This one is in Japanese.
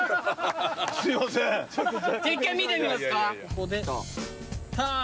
一回見てみますか？